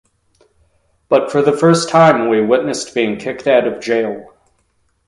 But for the first time, we witnessed being kicked out of jail.